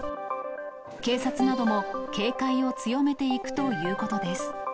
警察なども警戒を強めていくということです。